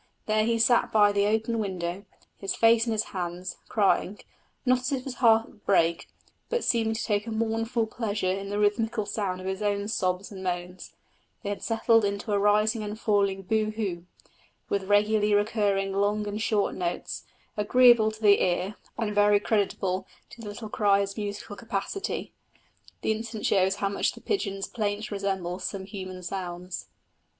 There he sat by the open window, his face in his hands, crying, not as if his heart would break, but seeming to take a mournful pleasure in the rhythmical sound of his own sobs and moans; they had settled into a rising and falling boo hoo, with regularly recurring long and short notes, agreeable to the ear, and very creditable to the little crier's musical capacity. The incident shows how much the pigeon's plaint resembles some human sounds.